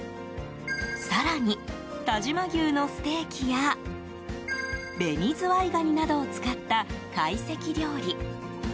更に、但馬牛のステーキやベニズワイガニなどを使った会席料理。